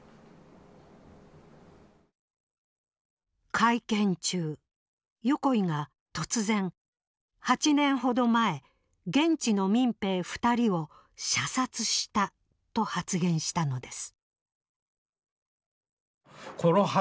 会見中横井が突然「８年ほど前現地の民兵２人を射殺した」と発言したのです。